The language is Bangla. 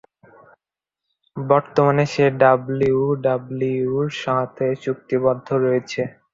বর্তমানে সে ডাব্লিউডাব্লিউইর সাথে চুক্তিবদ্ধ রয়েছে।